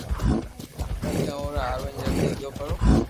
پسي او او آوين جلدي گيو پرو